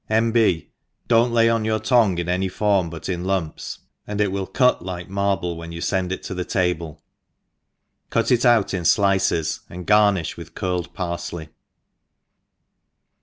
N. B. Do npt lay on your tongue in any form, but in lumps, and it will cut like marble; when you fend it to the table cut it out in flices, and garnifh it vvith curled parfley.